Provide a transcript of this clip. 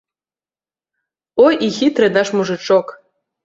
Ой, і хітры наш мужычок!